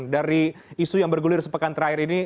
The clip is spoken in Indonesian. dari isu yang bergulir sepekan terakhir ini